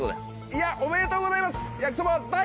いやおめでとうございます焼きそば第。